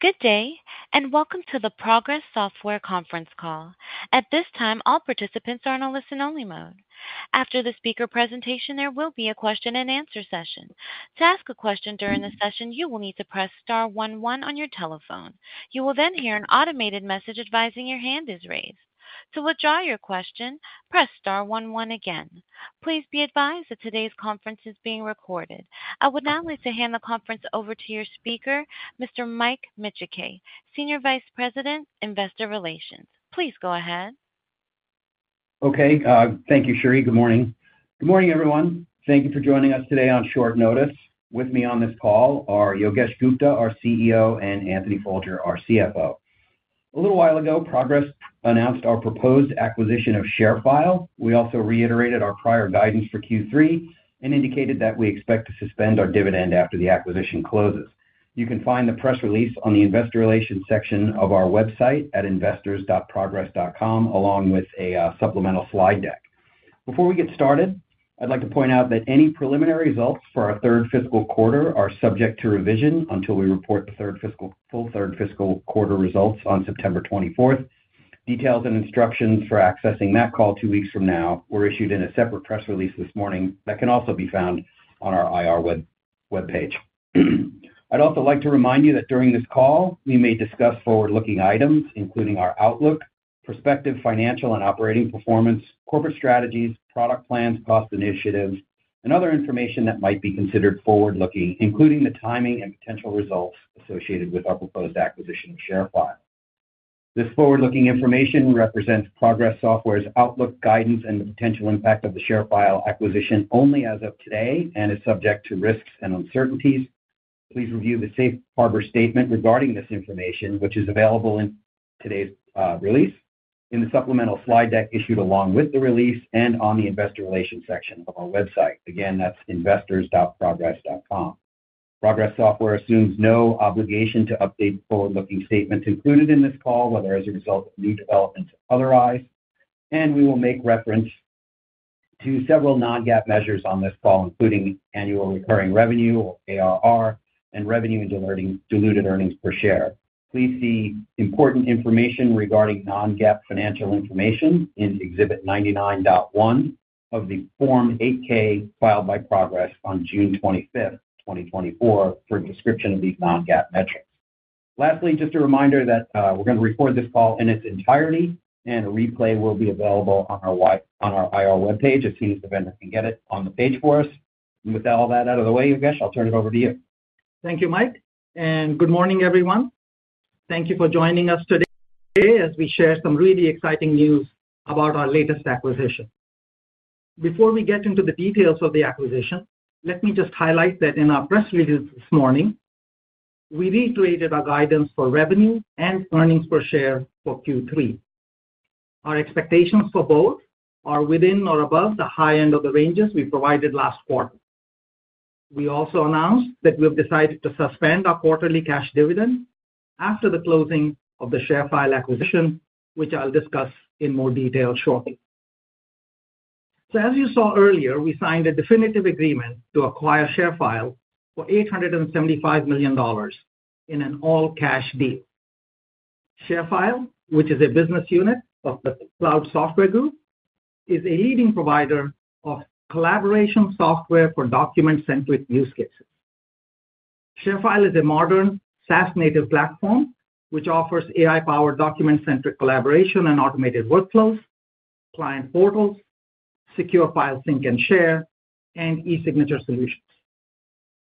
Good day, and welcome to the Progress Software Conference Call. At this time, all participants are in a listen-only mode. After the speaker presentation, there will be a question-and-answer session. To ask a question during the session, you will need to press star one one on your telephone. You will then hear an automated message advising your hand is raised. To withdraw your question, press star one one again. Please be advised that today's conference is being recorded. I would now like to hand the conference over to your speaker, Mr. Mike Micciche, Senior Vice President, Investor Relations. Please go ahead. Okay, thank you, Sherry. Good morning. Good morning, everyone. Thank you for joining us today on short notice. With me on this call are Yogesh Gupta, our CEO, and Anthony Folger, our CFO. A little while ago, Progress announced our proposed acquisition of ShareFile. We also reiterated our prior guidance for Q3 and indicated that we expect to suspend our dividend after the acquisition closes. You can find the press release on the Investor Relations section of our website at investors.progress.com, along with a supplemental slide deck. Before we get started, I'd like to point out that any preliminary results for our third fiscal quarter are subject to revision until we report the full third fiscal quarter results on September 24th. Details and instructions for accessing that call two weeks from now were issued in a separate press release this morning that can also be found on our IR webpage. I'd also like to remind you that during this call, we may discuss forward-looking items, including our outlook, prospective financial and operating performance, corporate strategies, product plans, cost initiatives, and other information that might be considered forward-looking, including the timing and potential results associated with our proposed acquisition of ShareFile. This forward-looking information represents Progress Software's outlook, guidance, and the potential impact of the ShareFile acquisition only as of today and is subject to risks and uncertainties. Please review the safe harbor statement regarding this information, which is available in today's release, in the supplemental slide deck issued along with the release, and on the investor relations section of our website. Again, that's investors.progress.com. Progress Software assumes no obligation to update forward-looking statements included in this call, whether as a result of new developments or otherwise, and we will make reference to several non-GAAP measures on this call, including annual recurring revenue or ARR, and diluted earnings per share. Please see important information regarding non-GAAP financial information in Exhibit 99.1 of the Form 8-K filed by Progress on June 25th, 2024, for a description of these non-GAAP metrics. Lastly, just a reminder that we're gonna record this call in its entirety, and a replay will be available on our IR webpage as soon as the vendor can get it on the page for us. With all that out of the way, Yogesh, I'll turn it over to you. Thank you, Mike, and good morning, everyone. Thank you for joining us today as we share some really exciting news about our latest acquisition. Before we get into the details of the acquisition, let me just highlight that in our press release this morning, we reiterated our guidance for revenue and earnings per share for Q3. Our expectations for both are within or above the high end of the ranges we provided last quarter. We also announced that we have decided to suspend our quarterly cash dividend after the closing of the ShareFile acquisition, which I'll discuss in more detail shortly. So as you saw earlier, we signed a definitive agreement to acquire ShareFile for $875 million in an all-cash deal. ShareFile, which is a business unit of the Cloud Software Group, is a leading provider of collaboration software for document-centric use cases. ShareFile is a modern SaaS-native platform, which offers AI-powered document-centric collaboration and automated workflows, client portals, secure file sync and share, and e-signature solutions.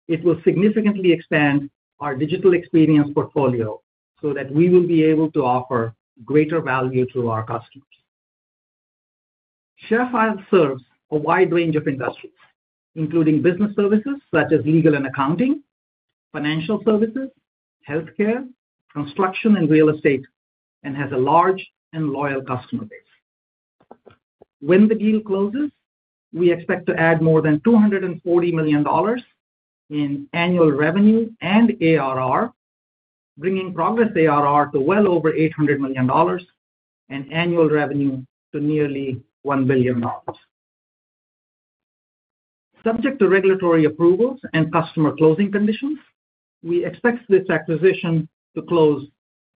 It will significantly expand our digital experience portfolio so that we will be able to offer greater value to our customers. ShareFile serves a wide range of industries, including business services such as legal and accounting, financial services, healthcare, construction, and real estate, and has a large and loyal customer base. When the deal closes, we expect to add more than $240 million in annual revenue and ARR, bringing Progress ARR to well over $800 million and annual revenue to nearly $1 billion. Subject to regulatory approvals and customer closing conditions, we expect this acquisition to close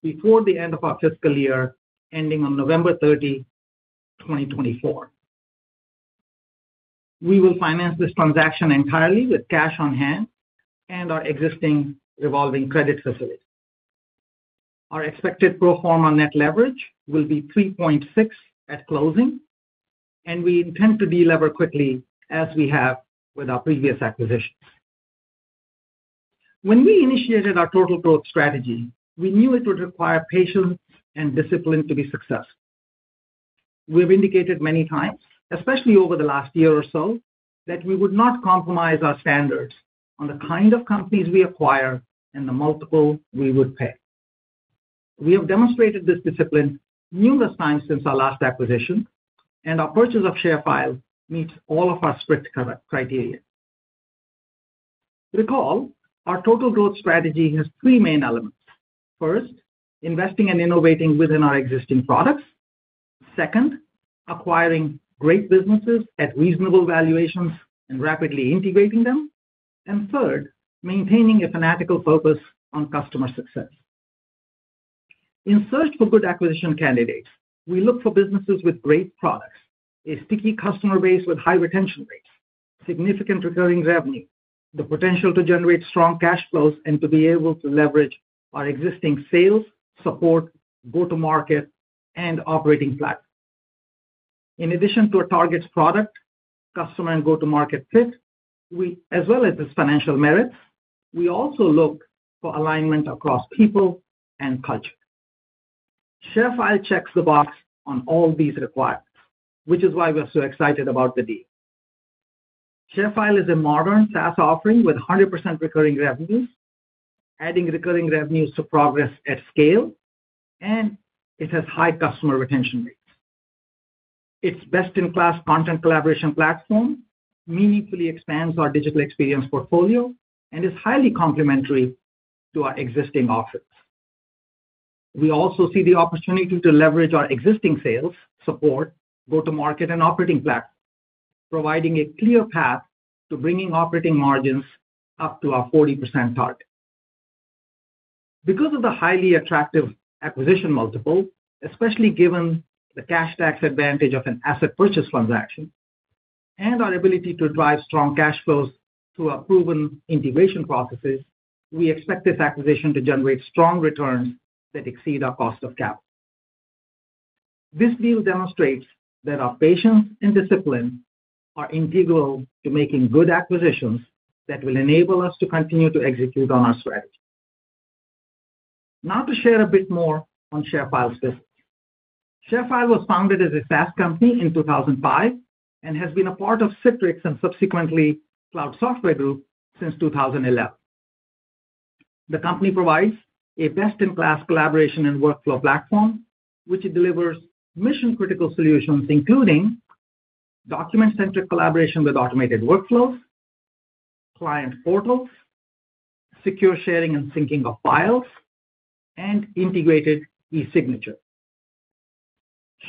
before the end of our fiscal year, ending on November 30, 2024. We will finance this transaction entirely with cash on hand and our existing revolving credit facility. Our expected pro forma net leverage will be 3.6 at closing, and we intend to delever quickly as we have with our previous acquisitions. When we initiated our Total Growth Strategy, we knew it would require patience and discipline to be successful. We have indicated many times, especially over the last year or so, that we would not compromise our standards on the kind of companies we acquire and the multiple we would pay. We have demonstrated this discipline numerous times since our last acquisition, and our purchase of ShareFile meets all of our strict criteria. Recall, our Total Growth Strategy has three main elements. First, investing and innovating within our existing products, second, acquiring great businesses at reasonable valuations and rapidly integrating them. And third, maintaining a fanatical focus on customer success. In search for good acquisition candidates, we look for businesses with great products, a sticky customer base with high retention rates, significant recurring revenue, the potential to generate strong cash flows, and to be able to leverage our existing sales, support, go-to-market, and operating platforms. In addition to a target's product, customer, and go-to-market fit, as well as its financial merits, we also look for alignment across people and culture. ShareFile checks the box on all these requirements, which is why we're so excited about the deal. ShareFile is a modern SaaS offering with 100% recurring revenue, adding recurring revenues to Progress at scale, and it has high customer retention rates. Its best-in-class content collaboration platform meaningfully expands our digital experience portfolio and is highly complementary to our existing offerings. We also see the opportunity to leverage our existing sales, support, go-to-market, and operating platforms, providing a clear path to bringing operating margins up to our 40% target. Because of the highly attractive acquisition multiple, especially given the cash tax advantage of an asset purchase transaction and our ability to drive strong cash flows through our proven integration processes, we expect this acquisition to generate strong returns that exceed our cost of capital. This deal demonstrates that our patience and discipline are integral to making good acquisitions that will enable us to continue to execute on our strategy. Now to share a bit more on ShareFile's business. ShareFile was founded as a SaaS company in 2005 and has been a part of Citrix and subsequently Cloud Software Group since 2011. The company provides a best-in-class collaboration and workflow platform, which it delivers mission-critical solutions, including document-centric collaboration with automated workflows, client portals, secure sharing and syncing of files, and integrated e-signature.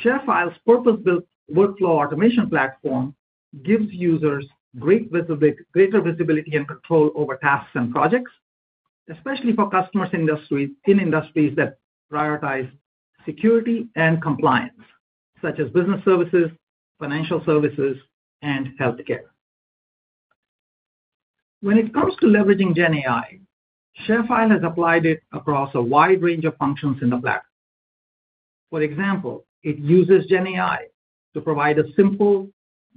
ShareFile's purpose-built workflow automation platform gives users great visibility, greater visibility and control over tasks and projects, especially for customers industries, in industries that prioritize security and compliance, such as business services, financial services, and healthcare. When it comes to leveraging GenAI, ShareFile has applied it across a wide range of functions in the platform. For example, it uses GenAI to provide a simple,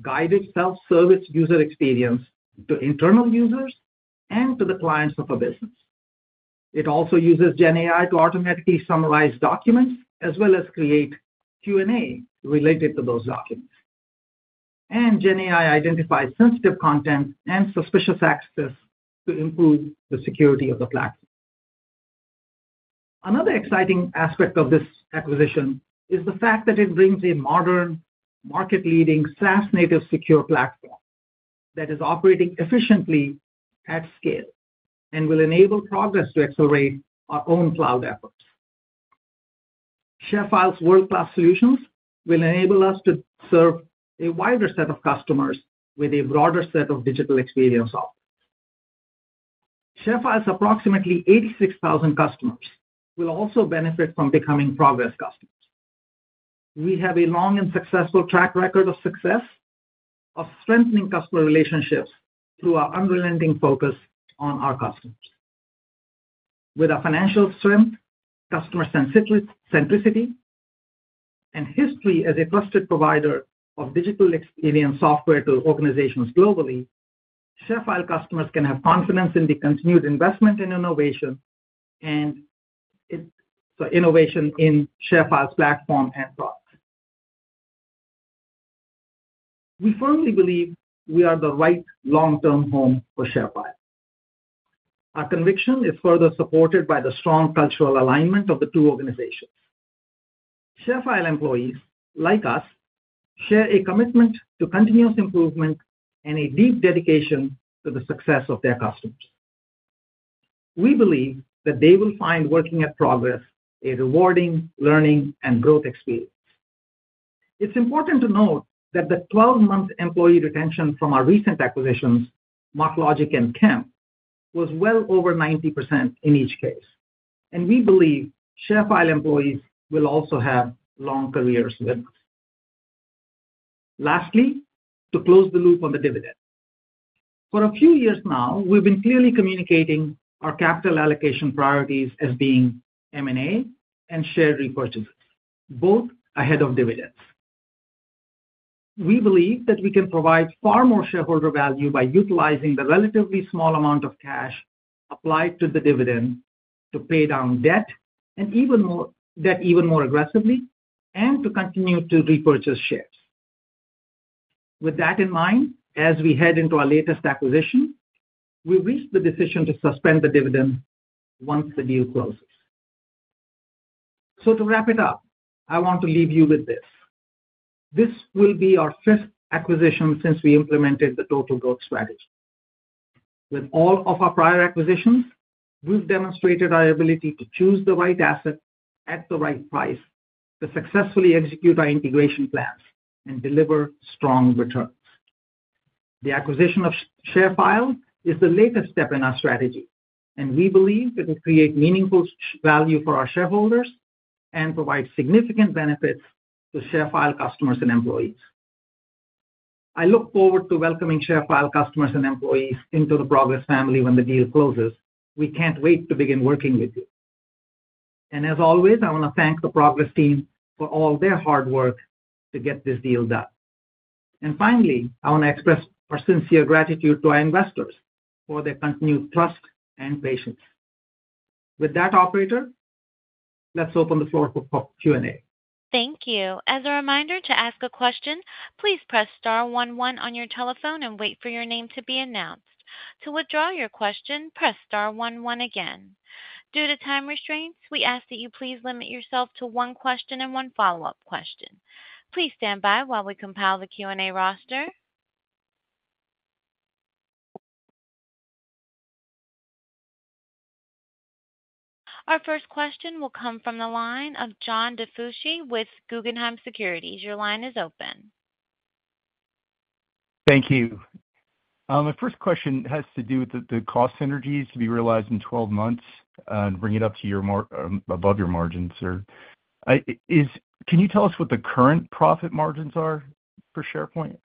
guided, self-service user experience to internal users and to the clients of a business. It also uses GenAI to automatically summarize documents, as well as create Q&A related to those documents. And GenAI identifies sensitive content and suspicious access to improve the security of the platform. Another exciting aspect of this acquisition is the fact that it brings a modern, market-leading, SaaS-native, secure platform that is operating efficiently at scale and will enable Progress to accelerate our own cloud efforts. ShareFile's world-class solutions will enable us to serve a wider set of customers with a broader set of digital experience offerings. ShareFile's approximately 86,000 customers will also benefit from becoming Progress customers. We have a long and successful track record of success, of strengthening customer relationships through our unrelenting focus on our customers. With our financial strength, customer-centricity, and history as a trusted provider of digital experience software to organizations globally, ShareFile customers can have confidence in the continued investment in innovation. So innovation in ShareFile's platform and products. We firmly believe we are the right long-term home for ShareFile. Our conviction is further supported by the strong cultural alignment of the two organizations. ShareFile employees, like us, share a commitment to continuous improvement and a deep dedication to the success of their customers. We believe that they will find working at Progress a rewarding learning and growth experience. It's important to note that the 12-month employee retention from our recent acquisitions, MarkLogic and Kemp, was well over 90% in each case, and we believe ShareFile employees will also have long careers with us. Lastly, to close the loop on the dividend. For a few years now, we've been clearly communicating our capital allocation priorities as being M&A and share repurchases, both ahead of dividends. We believe that we can provide far more shareholder value by utilizing the relatively small amount of cash applied to the dividend to pay down debt and even more aggressively and to continue to repurchase shares. With that in mind, as we head into our latest acquisition, we've reached the decision to suspend the dividend once the deal closes. So to wrap it up, I want to leave you with this. This will be our fifth acquisition since we implemented the Total Growth Strategy. With all of our prior acquisitions, we've demonstrated our ability to choose the right asset at the right price, to successfully execute our integration plans and deliver strong returns. The acquisition of ShareFile is the latest step in our strategy, and we believe it will create meaningful value for our shareholders and provide significant benefits to ShareFile customers and employees. I look forward to welcoming ShareFile customers and employees into the Progress family when the deal closes. We can't wait to begin working with you. And as always, I want to thank the Progress team for all their hard work to get this deal done. And finally, I want to express our sincere gratitude to our investors for their continued trust and patience. With that, operator, let's open the floor for Q&A. Thank you. As a reminder, to ask a question, please press star one one on your telephone and wait for your name to be announced. To withdraw your question, press star one one again. Due to time restraints, we ask that you please limit yourself to one question and one follow-up question. Please stand by while we compile the Q&A roster. Our first question will come from the line of John DiFucci with Guggenheim Securities. Your line is open. Thank you. My first question has to do with the cost synergies to be realized in 12 months, and bring it up to above your margins. Can you tell us what the current profit margins are for ShareFile?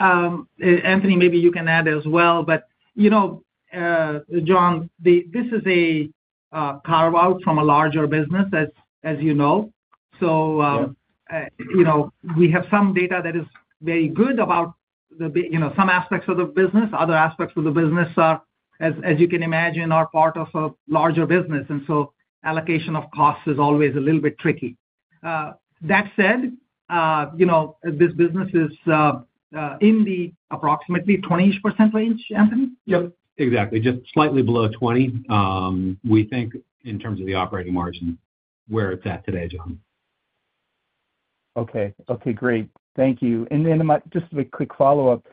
Anthony, maybe you can add as well, but, you know, John, this is a carve-out from a larger business, as you know. So, you know, we have some data that is very good about the business. You know, some aspects of the business. Other aspects of the business are, as, as you can imagine, are part of a larger business, and so allocation of costs is always a little bit tricky. That said, you know, this business is in the approximately 20-ish% range. Anthony? Yep, exactly. Just slightly below 20%, we think in terms of the operating margin, where it's at today, John. Okay. Okay, great. Thank you. And then, just a quick follow-up. Is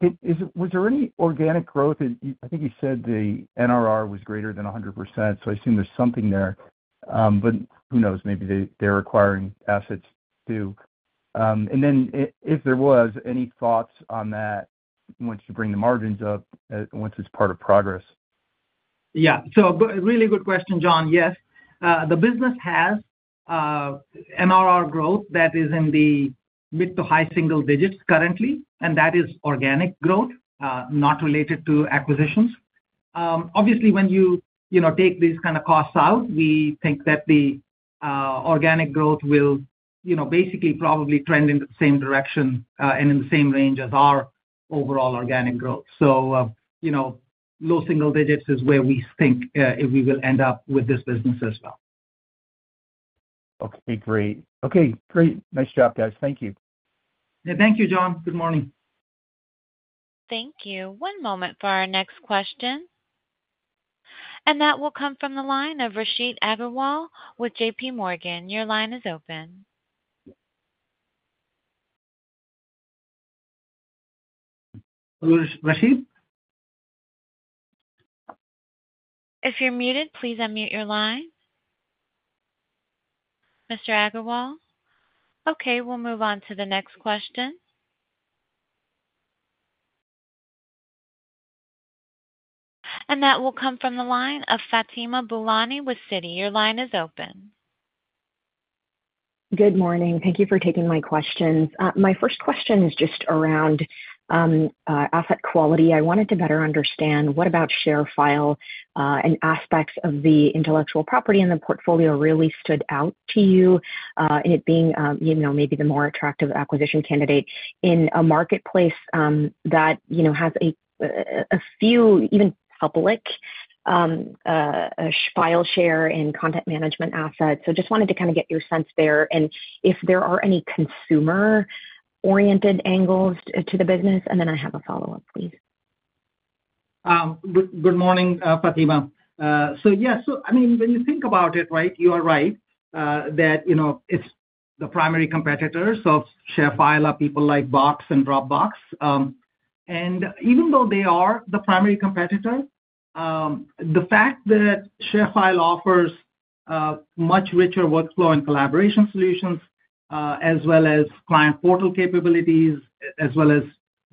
it—was there any organic growth in? I think you said the NRR was greater than 100%, so I assume there's something there. But who knows? Maybe they're acquiring assets, too. And then, if there was, any thoughts on that, once you bring the margins up, once it's part of Progress? Yeah. So a really good question, John. Yes, the business has NRR growth that is in the mid to high single digits currently, and that is organic growth, not related to acquisitions. Obviously, when you, you know, take these kind of costs out, we think that the organic growth will, you know, basically probably trend in the same direction, and in the same range as our overall organic growth. So, you know, low single digits is where we think we will end up with this business as well. Okay, great. Okay, great. Nice job, guys. Thank you. Thank you, John. Good morning. Thank you. One moment for our next question. And that will come from the line of Rachit Agrawal with J.P. Morgan. Your line is open. Hello, Rachit? If you're muted, please unmute your line. Mr. Agarwal? Okay, we'll move on to the next question. And that will come from the line of Fatima Boolani with Citi. Your line is open. Good morning. Thank you for taking my questions. My first question is just around asset quality. I wanted to better understand, what about ShareFile and aspects of the intellectual property in the portfolio really stood out to you, it being, you know, maybe the more attractive acquisition candidate in a marketplace that, you know, has a few, even public, file share and content management assets? So just wanted to kind of get your sense there, and if there are any consumer-oriented angles to the business. And then I have a follow-up, please. Good morning, Fatima. So, yeah, so I mean, when you think about it, right, you are right, that, you know, it's the primary competitors of ShareFile are people like Box and Dropbox. And even though they are the primary competitor, the fact that ShareFile offers a much richer workflow and collaboration solutions, as well as client portal capabilities, as well as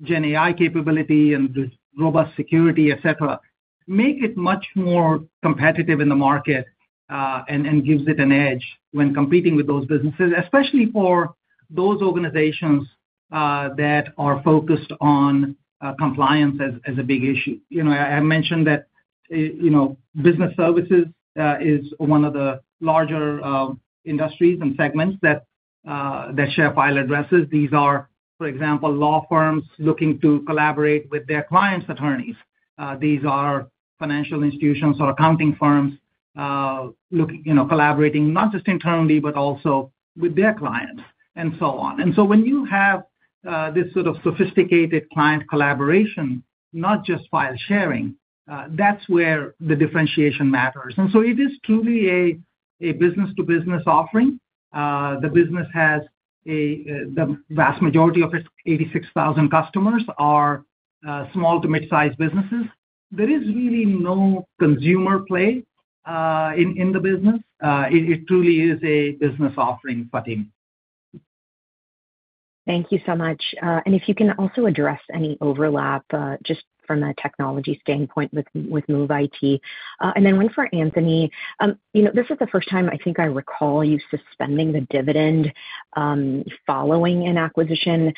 GenAI capability and robust security, et cetera, make it much more competitive in the market, and gives it an edge when competing with those businesses, especially for those organizations, that are focused on, compliance as a big issue. You know, I mentioned that, you know, business services is one of the larger industries and segments that, that ShareFile addresses. These are, for example, law firms looking to collaborate with their clients' attorneys. These are financial institutions or accounting firms, you know, collaborating not just internally, but also with their clients and so on. And so when you have this sort of sophisticated client collaboration, not just file sharing, that's where the differentiation matters. And so it is truly a business-to-business offering. The business has the vast majority of its 86,000 customers are small to mid-sized businesses. There is really no consumer play in the business. It truly is a business offering, Fatima. Thank you so much, and if you can also address any overlap, just from a technology standpoint with MOVEit, and then one for Anthony. You know, this is the first time I think I recall you suspending the dividend, following an acquisition.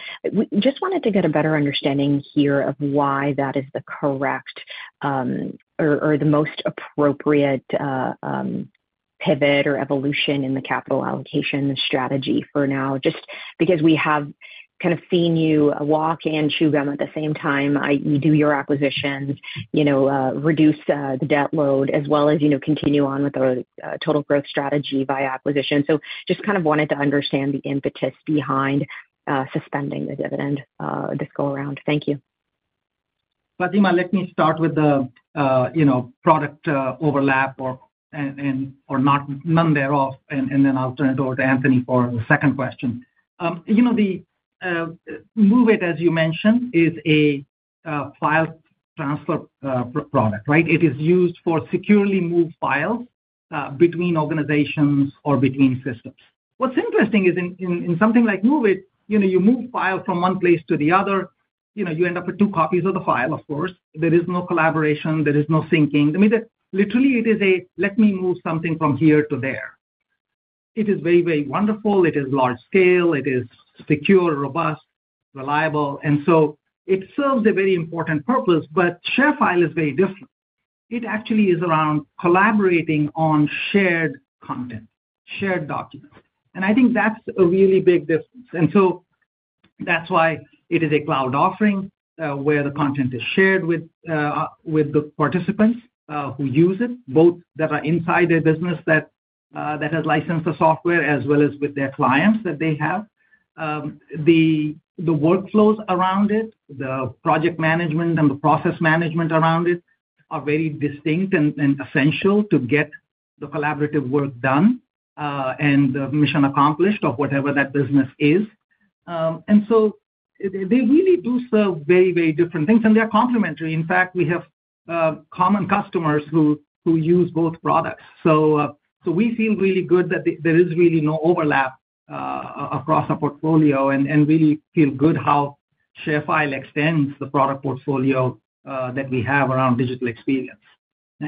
Just wanted to get a better understanding here of why that is the correct, or the most appropriate, pivot or evolution in the capital allocation strategy for now. Just because we have kind of seen you walk and chew gum at the same time. You do your acquisitions, you know, reduce the debt load, as well as, you know, continue on with the Total Growth Strategy by acquisition. So just kind of wanted to understand the impetus behind suspending the dividend this go around. Thank you. Fatima, let me start with the, you know, product overlap or not, none thereof, and then I'll turn it over to Anthony for the second question. You know, the MOVEit, as you mentioned, is a file transfer product, right? It is used for securely move files between organizations or between systems. What's interesting is in something like MOVEit, you know, you move files from one place to the other, you know, you end up with two copies of the file, of course. There is no collaboration, there is no syncing. I mean, literally it is a, "Let me move something from here to there." It is very, very wonderful, it is large-scale, it is secure, robust, reliable, and so it serves a very important purpose, but ShareFile is very different. It actually is around collaborating on shared content, shared documents, and I think that's a really big difference. And so that's why it is a cloud offering, where the content is shared with the participants who use it, both that are inside their business that has licensed the software, as well as with their clients that they have. The workflows around it, the project management and the process management around it, are very distinct and essential to get the collaborative work done, and the mission accomplished or whatever that business is. And so they really do serve very, very different things, and they're complementary. In fact, we have common customers who use both products. So we feel really good that there is really no overlap across our portfolio and really feel good how ShareFile extends the product portfolio that we have around digital experience.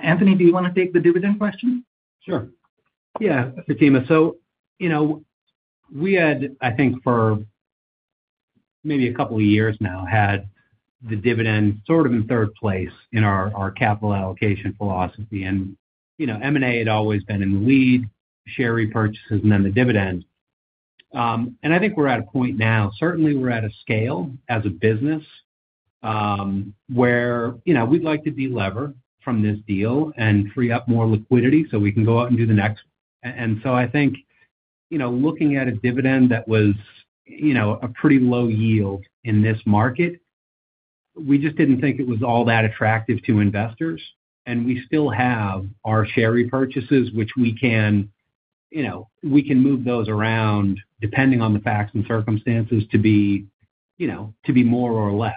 Anthony, do you wanna take the dividend question? Sure. Yeah, Fatima. So, you know, we had, I think for maybe a couple of years now, had the dividend sort of in third place in our capital allocation philosophy. And, you know, M&A had always been in the lead, share repurchases and then the dividend. And I think we're at a point now, certainly we're at a scale as a business, where, you know, we'd like to delever from this deal and free up more liquidity so we can go out and do the next. I think, you know, looking at a dividend that was, you know, a pretty low yield in this market, we just didn't think it was all that attractive to investors, and we still have our share repurchases, which we can, you know, move those around depending on the facts and circumstances to be more or less.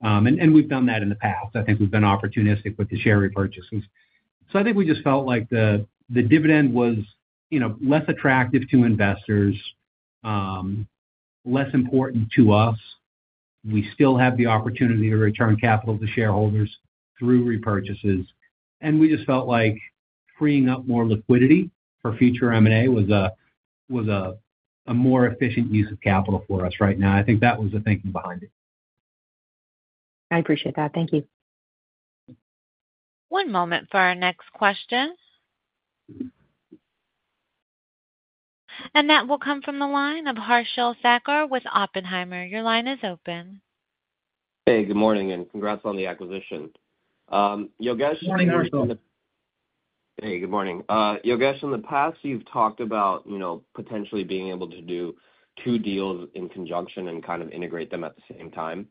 We've done that in the past. I think we've been opportunistic with the share repurchases. I think we just felt like the dividend was, you know, less attractive to investors, less important to us. We still have the opportunity to return capital to shareholders through repurchases, and we just felt like freeing up more liquidity for future M&A was a more efficient use of capital for us right now. I think that was the thinking behind it. I appreciate that. Thank you. One moment for our next question, and that will come from the line of Harshil Thakkar with Oppenheimer. Your line is open. Hey, good morning and congrats on the acquisition. Yogesh. Good morning, Harshil. Hey, good morning. Yogesh, in the past you've talked about, you know, potentially being able to do two deals in conjunction and kind of integrate them at the same time.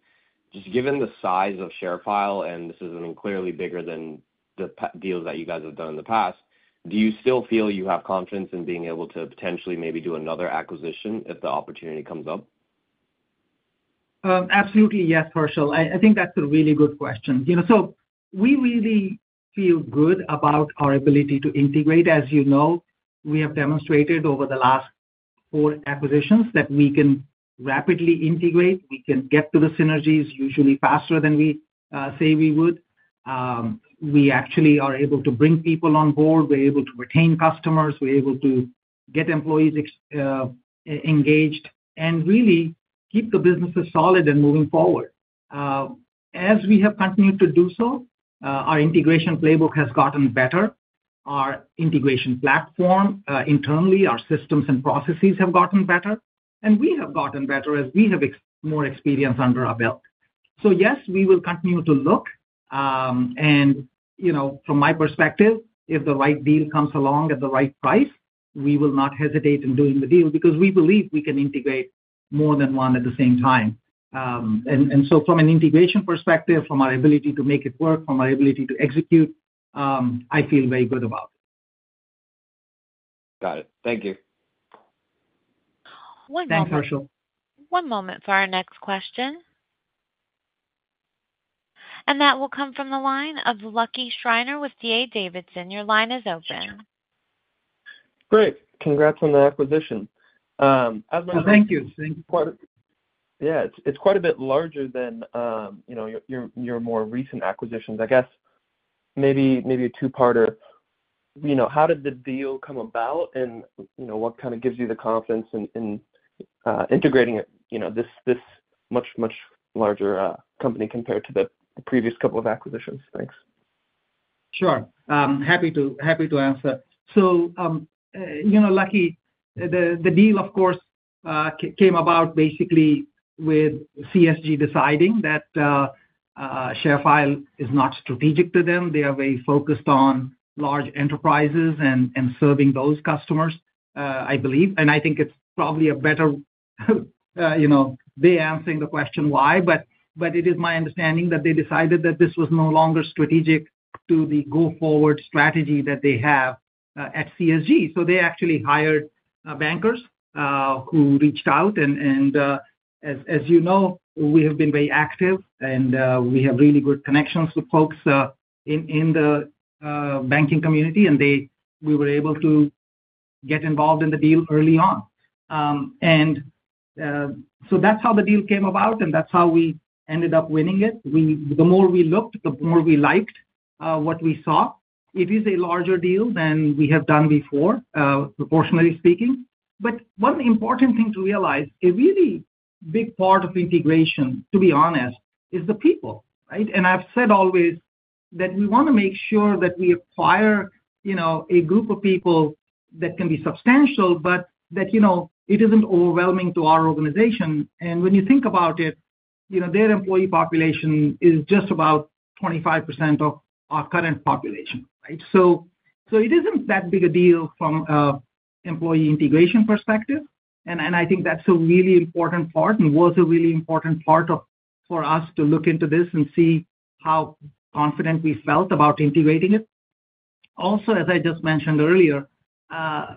Just given the size of ShareFile, and this is clearly bigger than the past deals that you guys have done in the past, do you still feel you have confidence in being able to potentially maybe do another acquisition if the opportunity comes up? Absolutely, yes, Harshil. I think that's a really good question. You know, so we really feel good about our ability to integrate. As you know, we have demonstrated over the last four acquisitions that we can rapidly integrate. We can get to the synergies usually faster than we say we would. We actually are able to bring people on board. We're able to retain customers. We're able to get employees engaged and really keep the businesses solid and moving forward. As we have continued to do so, our integration playbook has gotten better. Our integration platform internally, our systems and processes have gotten better, and we have gotten better as we have more experience under our belt. So yes, we will continue to look. You know, from my perspective, if the right deal comes along at the right price, we will not hesitate in doing the deal, because we believe we can integrate more than one at the same time. And so from an integration perspective, from our ability to make it work, from our ability to execute, I feel very good about it. Got it. Thank you. Thanks, Harshil. One moment. One moment for our next question, and that will come from the line of Lucky Schreiner with D.A. Davidson. Your line is open. Great. Congrats on the acquisition. As a. Thank you. Thank you. Yeah, it's quite a bit larger than, you know, your more recent acquisitions. I guess maybe a two-parter. You know, how did the deal come about? And, you know, what kind of gives you the confidence in integrating it, you know, this much larger company compared to the previous couple of acquisitions? Thanks. Sure. I'm happy to, happy to answer. So, you know, Lucky, the deal, of course, came about basically with CSG deciding that ShareFile is not strategic to them. They are very focused on large enterprises and serving those customers, I believe. And I think it's probably a better, you know, they answering the question why, but it is my understanding that they decided that this was no longer strategic to the go-forward strategy that they have at CSG. So they actually hired bankers who reached out. And, as you know, we have been very active, and we have really good connections with folks in the banking community, and we were able to get involved in the deal early on. and so that's how the deal came about, and that's how we ended up winning it. We, the more we looked, the more we liked what we saw. It is a larger deal than we have done before, proportionally speaking. But one important thing to realize, a really big part of integration, to be honest, is the people, right? And I've said always that we wanna make sure that we acquire, you know, a group of people that can be substantial, but that, you know, it isn't overwhelming to our organization. And when you think about it, you know, their employee population is just about 25% of our current population, right? It isn't that big a deal from employee integration perspective, and I think that's a really important part and was a really important part of for us to look into this and see how confident we felt about integrating it. Also, as I just mentioned earlier,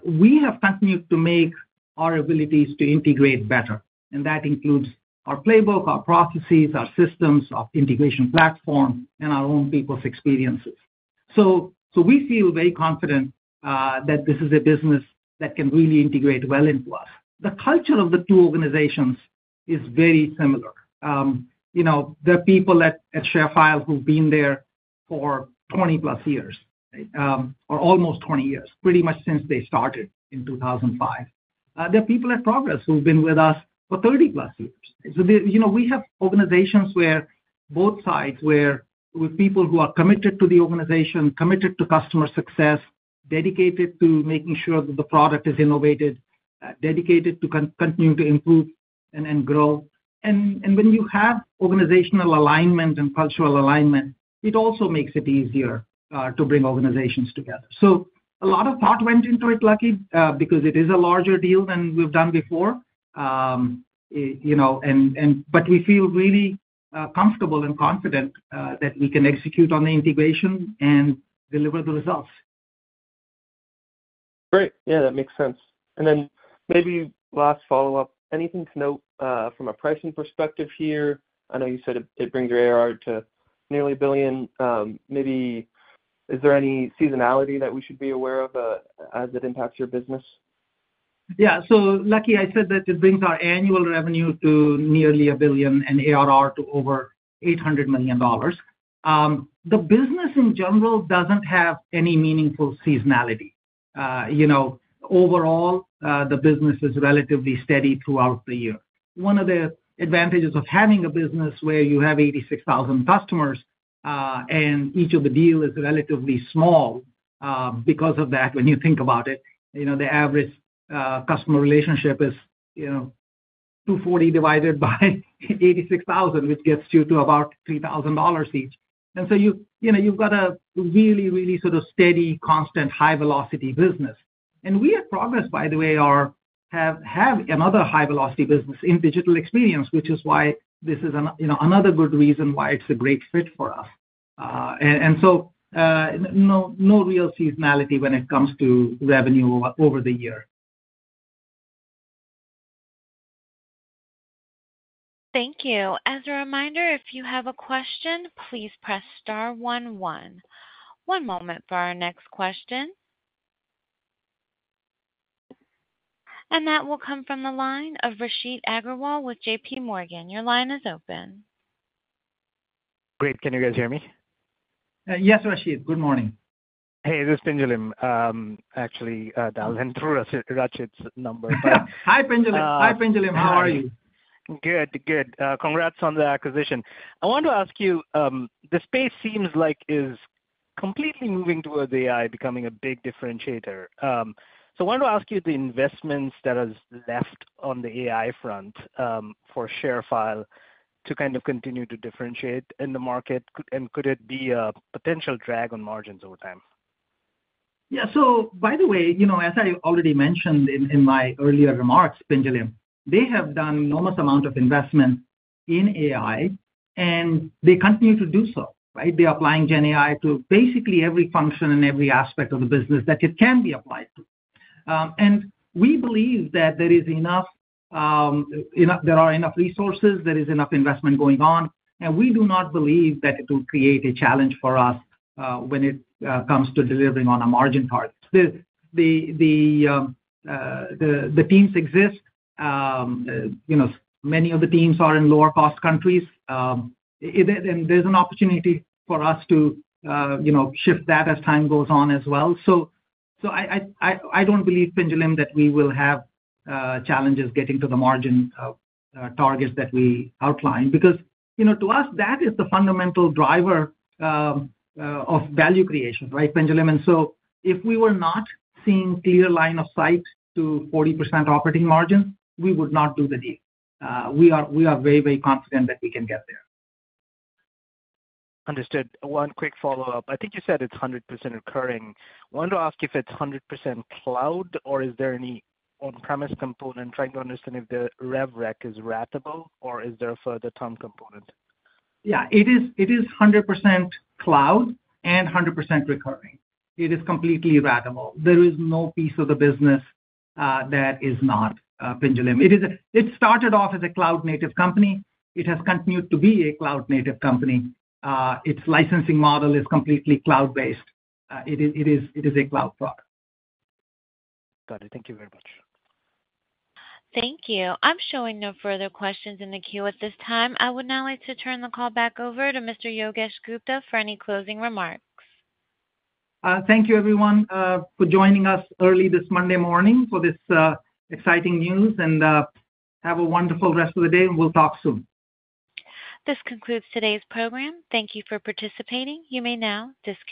we have continued to make our abilities to integrate better, and that includes our playbook, our processes, our systems, our integration platform, and our own people's experiences. We feel very confident that this is a business that can really integrate well into us. The culture of the two organizations is very similar. You know, there are people at ShareFile who've been there for 20+ years, or almost 20 years, pretty much since they started in 2005. There are people at Progress who've been with us for 30+ years. So the, you know, we have organizations where both sides, where with people who are committed to the organization, committed to customer success, dedicated to making sure that the product is innovated, dedicated to continue to improve and grow. And when you have organizational alignment and cultural alignment, it also makes it easier to bring organizations together. So a lot of thought went into it, Lucky, because it is a larger deal than we've done before. It, you know, but we feel really comfortable and confident that we can execute on the integration and deliver the results. Great. Yeah, that makes sense. And then maybe last follow-up, anything to note, from a pricing perspective here? I know you said it brings your ARR to nearly a billion. Maybe is there any seasonality that we should be aware of, as it impacts your business? Yeah. So, Lucky, I said that it brings our annual revenue to nearly $1 billion and ARR to over $800 million. The business in general doesn't have any meaningful seasonality. You know, overall, the business is relatively steady throughout the year. One of the advantages of having a business where you have 86,000 customers, and each of the deal is relatively small, because of that, when you think about it, you know, the average customer relationship is, you know, 240 divided by 86,000, which gets you to about $3,000 each. And so you, you know, you've got a really, really sort of steady, constant, high-velocity business. We at Progress, by the way, have another high-velocity business in digital experience, which is why this is, you know, another good reason why it's a great fit for us. No real seasonality when it comes to revenue over the year. Thank you. As a reminder, if you have a question, please press star one, one. One moment for our next question, and that will come from the line of Rachit Agrawal with J.P. Morgan. Your line is open. Great. Can you guys hear me? Yes, Rachit, good morning. Hey, this is Pinjalim. Actually, dialing through Rachit's number. Hi, Pinjalim. Hi, Pinjalim. How are you? Good, good. Congrats on the acquisition. I want to ask you, the space seems like is completely moving towards AI becoming a big differentiator. So I want to ask you the investments that is left on the AI front, for ShareFile to kind of continue to differentiate in the market and could it be a potential drag on margins over time? Yeah. So by the way, you know, as I already mentioned in my earlier remarks, Pinjalim, they have done enormous amount of investment in AI, and they continue to do so, right? They're applying GenAI to basically every function and every aspect of the business that it can be applied to. And we believe that there are enough resources, there is enough investment going on, and we do not believe that it will create a challenge for us when it comes to delivering on a margin part. The teams exist. You know, many of the teams are in lower-cost countries. And there's an opportunity for us to you know, shift that as time goes on as well. I don't believe, Pinjalim, that we will have challenges getting to the margin targets that we outlined. Because, you know, to us, that is the fundamental driver of value creation, right, Pinjalim? And so if we were not seeing clear line of sight to 40% operating margin, we would not do the deal. We are very, very confident that we can get there. Understood. One quick follow-up. I think you said it's 100% recurring. Wanted to ask if it's 100% cloud, or is there any on-premise component? Trying to understand if the rev rec is ratable, or is there a further term component? Yeah, it is 100% cloud and 100% recurring. It is completely ratable. There is no piece of the business that is perpetual. It is a cloud-native company. It started off as a cloud-native company. It has continued to be a cloud-native company. Its licensing model is completely cloud-based. It is a cloud product. Got it. Thank you very much. Thank you. I'm showing no further questions in the queue at this time. I would now like to turn the call back over to Mr. Yogesh Gupta for any closing remarks. Thank you, everyone, for joining us early this Monday morning for this exciting news, and have a wonderful rest of the day, and we'll talk soon. This concludes today's program. Thank you for participating. You may now disconnect.